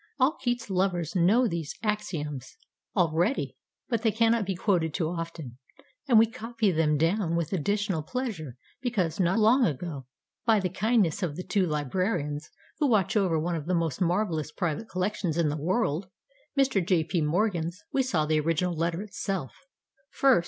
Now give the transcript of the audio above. All Keats lovers know these "axioms" already, but they cannot be quoted too often; and we copy them down with additional pleasure because not long ago, by the kindness of the two librarians who watch over one of the most marvellous private collections in the world Mr. J.P. Morgan's we saw the original letter itself: 1st.